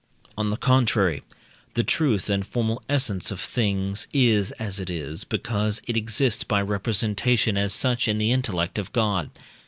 On the contrary, the truth and formal essence of things is as it is, because it exists by representation as such in the intellect of God.